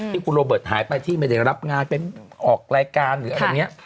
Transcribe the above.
ที่คุณโรเบิร์ตหายไปที่ไม่ได้รับงานไปออกรายการหรืออะไรอย่างนี้